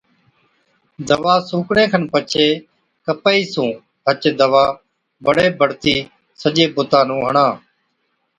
دَوا سُوڪڻي کن پڇي ڪپهئِي سُون هچ دَوا بڙي بڙتِي سجي بُتا نُون هڻا۔